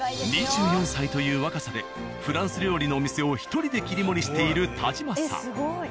２４歳という若さでフランス料理のお店を１人で切り盛りしている田島さん。